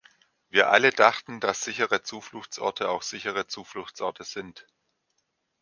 Wir alle dachten, dass sichere Zufluchtsorte auch sichere Zufluchtsorte sind.